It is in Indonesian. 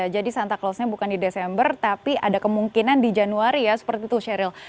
jadi santarelli bukan di desember tapi ada kemungkinan di januari seperti itu sheryl